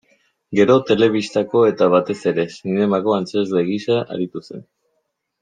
Gero, telebistako eta, batez ere, zinemako antzezle gisa aritu zen.